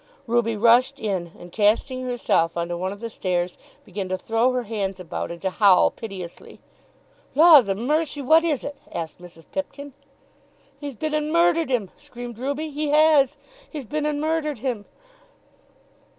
Ruby rushed in, and casting herself on to one of the stairs began to throw her hands about, and to howl piteously. "Laws a mercy; what is it?" asked Mrs. Pipkin. "He's been and murdered him!" screamed Ruby. "He has! He's been and murdered him!"